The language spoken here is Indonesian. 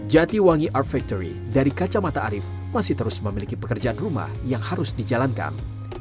jatiwangi art factory dari kacamata arief masih terus memiliki pekerjaan rumah yang harus dijalankan